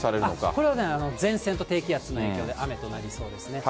これはね、前線と低気圧の影響で雨となりそうですね。